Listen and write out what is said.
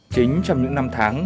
chính trong những năm tháng